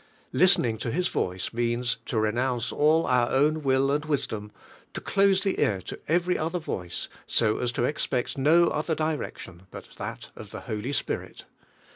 Listening to His voice means to renounce all our own will and wisdom, to close the ear to every other voice so ns to expect no oilier direction but thai of the Holy Spirit.